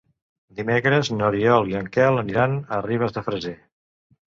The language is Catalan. Dimecres n'Oriol i en Quel aniran a Ribes de Freser.